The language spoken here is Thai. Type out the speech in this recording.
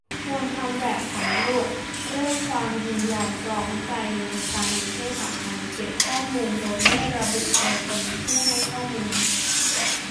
ชวนทำแบบสำรวจเรื่องความยินยอมพร้อมใจในการมีเพศสัมพันธ์ เก็บข้อมูลโดยไม่ระบุตัวตนผู้ให้ข้อมูล